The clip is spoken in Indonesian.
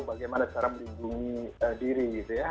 bagaimana cara melindungi diri